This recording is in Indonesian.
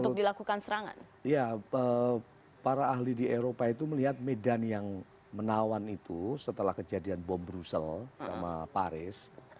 kalau para ahli di eropa itu melihat medan yang menawan itu setelah kejadian bom brussel sama paris